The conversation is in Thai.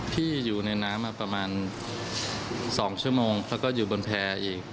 ที่อยู่ในน้ำมาประมาณ๒ชั่วโมงแล้วก็อยู่บนแพร่อีก